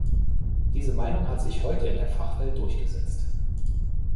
Diese Meinung hat sich heute in der Fachwelt durchgesetzt.